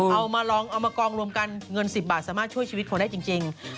เอามาลองเอามากองรวมกันเงิน๑๐บาทสามารถช่วยชีวิตเขาได้จริง